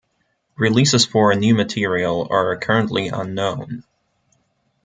Releases for new material are currently unknown.